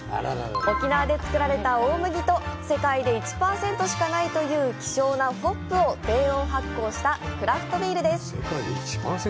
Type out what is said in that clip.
沖縄で作られた大麦と世界で１％しかないという希少なホップを低温発酵したクラフトビールです。